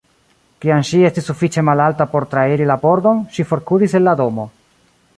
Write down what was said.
Kiam ŝi estis sufiĉe malalta por trairi la pordon, ŝi forkuris el la domo.